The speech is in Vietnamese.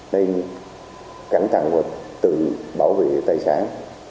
nên cảnh thẳng và tự bảo vệ tài sản